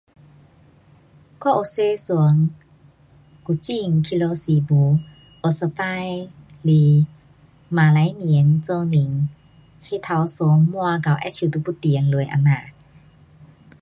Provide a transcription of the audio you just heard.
我有坐船古晋回家诗巫，有一次是马来年做年，那条船满到好像就要沉下这样。